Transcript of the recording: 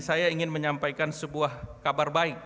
saya ingin menyampaikan sebuah kabar baik